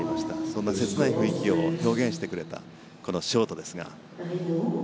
そんな切ない雰囲気を表現してくれたこのショートですが。